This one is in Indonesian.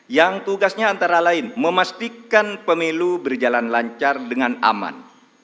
yang tugasnya antara lain memastikan pemilu berjalan lancar dengan aman